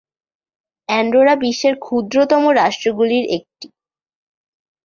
Andorra বিশ্বের ক্ষুদ্রতম রাষ্ট্রগুলির একটি।